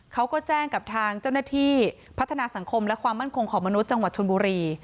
เขาก็แจ้งกับทางเจ้าหน้าที่พัฒนาสังคมและความมั่นคงของมนุษย์จังหวัดชนบุรี